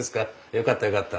よかったよかった。